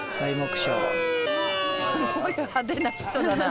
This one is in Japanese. すごい派手な人だな。